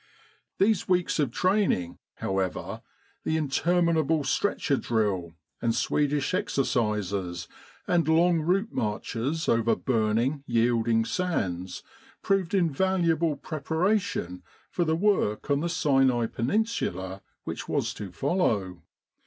These weeks of training, however the intermin 88 Kantara and Katia able stretcher drill, and Swedish exercises, and long route marches over the burning, yielding sands proved invaluable preparation for the work on the Sinai Peninsula which was to follow.